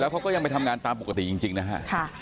เขาก็ยังไปทำงานตามปกติจริงนะฮะ